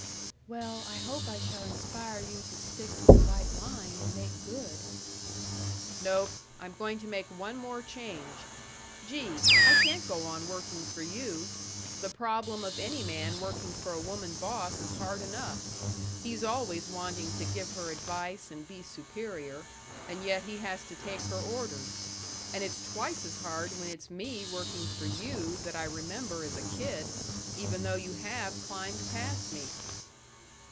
"Well, I hope I shall inspire you to stick to the White Line and make good." "Nope, I'm going to make one more change. Gee! I can't go on working for you. The problem of any man working for a woman boss is hard enough. He's always wanting to give her advice and be superior, and yet he has to take her orders. And it's twice as hard when it's me working for you that I remember as a kid even though you have climbed past me."